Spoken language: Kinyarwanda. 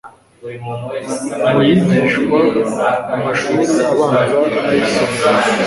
mu yigishwa mu mashuri abanza n'ayisumbuye,